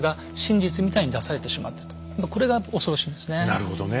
なるほどね。